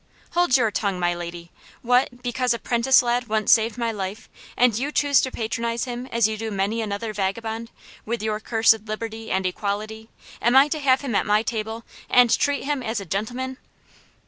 "Hold your tongue, my lady. What, because a 'prentice lad once saved my life, and you choose to patronise him as you do many another vagabond, with your cursed liberty and equality, am I to have him at my table, and treat him as a gentleman?